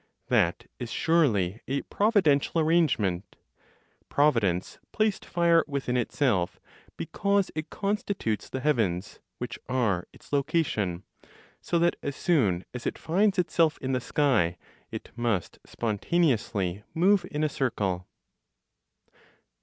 That is surely a providential arrangement. Providence placed fire within itself (because it constitutes the heavens, which are its location); so that, as soon as it finds itself in the sky it must spontaneously move in a circle.